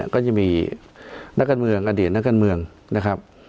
ก็จะมีนักการเมืองอดีตนักการเมืองนะครับ